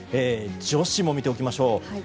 女子も見ておきましょう。